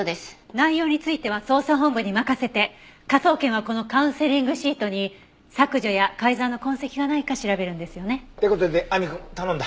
内容については捜査本部に任せて科捜研はこのカウンセリングシートに削除や改ざんの痕跡がないか調べるんですよね？っていう事で亜美くん頼んだ。